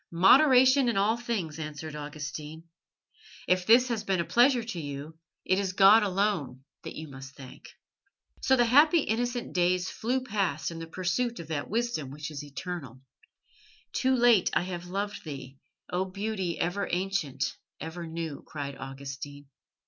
"Moderation in all things," answered Augustine. "If this has been a pleasure to you, it is God alone that you must thank." So the happy innocent days flew past in the pursuit of that wisdom which is eternal. "Too late have I loved Thee, O Beauty ever ancient, ever new!" cried Augustine.